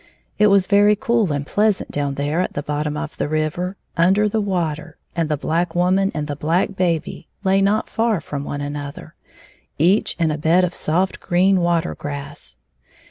It was very cool and pleasant down there at the bottom of the river, under the water, and the black wo man and the black baby lay not far from one another, each in a bed of soft green water grass.